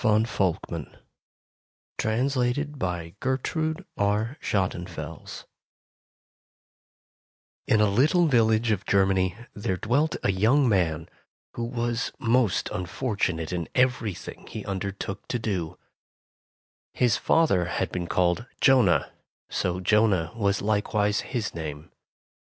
JONAH AND THE CHILD OF FORTUNE In a little village of Germany there dwelt a young man who was most unfortunate in everything he undertook to do. His father had been called Jonah, so Jonah was likewise his name.